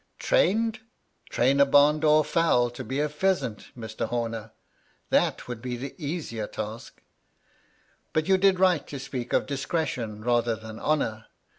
" Trained ! Train a bam door fowl to be a pheasant, Mr. Hor er 1 That would be the easier task. But you did right to speak of discretion rather than honour.